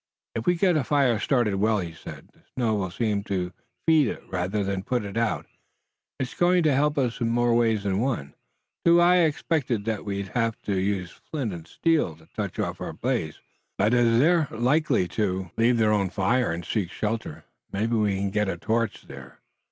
"If we get a fire started well," he said, "the snow will seem to feed it rather than put it out. It's going to help us in more ways than one, too. I'd expected that we'd have to use flint and steel to touch off our blaze, but as they're likely to leave their own fire and seek shelter, maybe we can get a torch there.